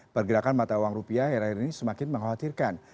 pergerakan mata uang rupiah akhir akhir ini semakin mengkhawatirkan